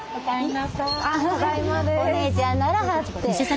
お姉ちゃんならはって。